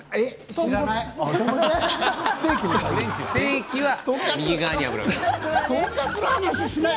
知らない。